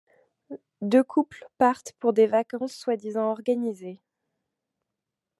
Deux couples partent pour des vacances soi-disant organisées.